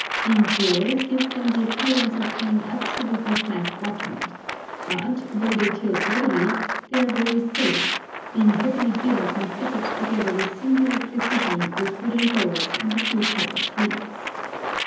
Being floored gives them the appearance of being absolutely flat bottomed; but, though they tilt readily, they are very safe, being heavily built and fitted together with singular precision with wooden bolts and a few copper cleets.